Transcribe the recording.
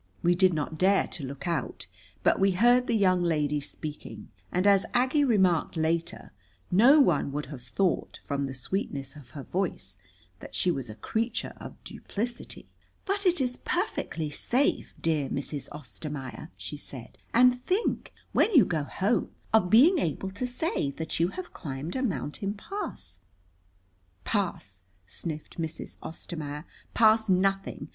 We did not dare to look out, but we heard the young lady speaking, and as Aggie remarked later, no one would have thought, from the sweetness of her voice, that she was a creature of duplicity. "But it is perfectly safe, dear Mrs. Ostermaier," she said "And think, when you go home, of being able to say that you have climbed a mountain pass." "Pass!" sniffed Mrs. Ostermaier. "Pass nothing!